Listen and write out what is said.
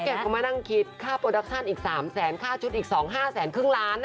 ก็ไม่นั่งคิดค่าโปรดักชั่นอีก๓แสนค่าชุดอีก๒๕แสนครึ่งล้าน